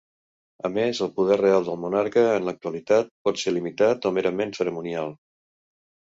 A més, el poder real del monarca, en l'actualitat, pot ser limitat o merament cerimonial.